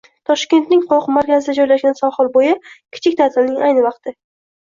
Toshkentning qoq markazida joylashgan sohil bo‘yi — kichik ta’tilning ayni vaqti!